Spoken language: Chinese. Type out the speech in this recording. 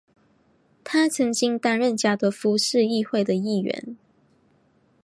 他曾经担任加的夫市议会的议员。